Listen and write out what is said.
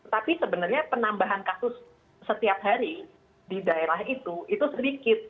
tapi sebenarnya penambahan kasus setiap hari di daerah itu itu sedikit